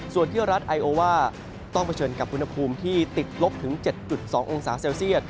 ส่วนที่รัฐไอโอว่าต้องเผชิญกับอุณหภูมิที่ติดลบถึง๗๒องศาเซลเซียต